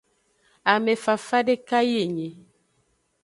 Ame fafa deka yi enyi.